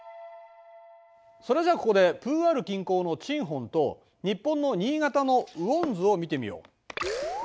それじゃあここでプーアール近郊のチンホンと日本の新潟の雨温図を見てみよう。